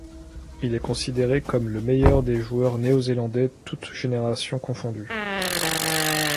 Il est considéré comme le meilleur des joueurs néo-zélandais toutes générations confondues.